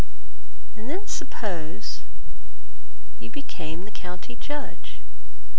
And then suppose You became the County Judge?